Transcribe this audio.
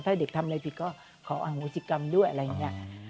ถ้าเด็กทำอะไรผิดก็ขออโหสิกรรมด้วยอะไรอย่างนี้